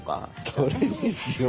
どれにしようかな。